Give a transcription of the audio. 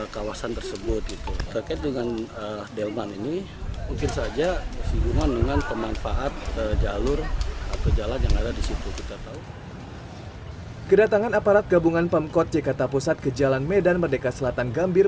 kedatangan aparat gabungan pemkot jakarta pusat ke jalan medan merdeka selatan gambir